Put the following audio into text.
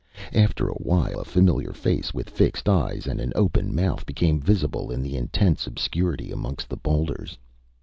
After a while a familiar face with fixed eyes and an open mouth became visible in the intense obscurity amongst the boulders.